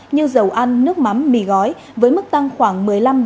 như dầu ăn nước mắm mì gói với mức tăng khoảng một mươi năm hai mươi